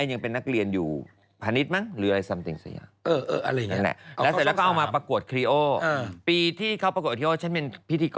เอ้ยยังเป็นนักเรียนอยู่พันิชรมั้งหรืออะไร